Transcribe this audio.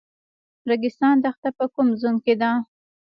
ریګستان دښته په کوم زون کې ده؟